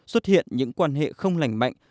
xuất hiện những quan hệ không lành mạnh